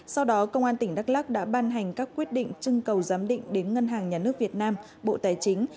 sau đó công an tỉnh đắk lắc đã ban hành các quyết định trưng cầu giám định đến ngân hàng nhà nước việt nam bộ tài chính